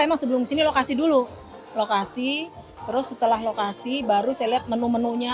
emang sebelum sini lokasi dulu lokasi terus setelah lokasi baru saya lihat menu menunya